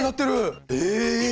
え！